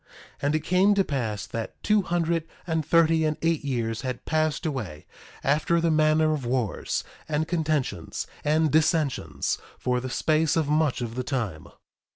1:13 And it came to pass that two hundred and thirty and eight years had passed away—after the manner of wars, and contentions, and dissensions, for the space of much of the time.